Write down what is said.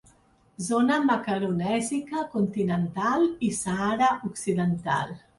Zona macaronèsica continental i Sàhara occidental.